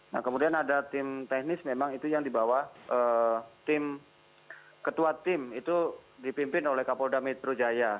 nah kemudian ada tim teknis memang itu yang dibawa tim ketua tim itu dipimpin oleh kapolda metro jaya